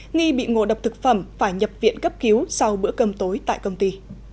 nghi bị ngộ độc thực phẩm phải nhập viện cấp cứu sau bữa cơm tối tại công ty